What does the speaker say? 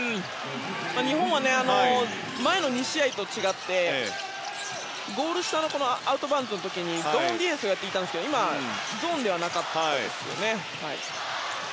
日本は前の２試合と違ってゴール下にアウト・オブ・バウンズの時にゾーンディフェンスをしていたんですけど今はゾーンじゃなかったですね。